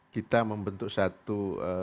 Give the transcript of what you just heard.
kita membentuk satu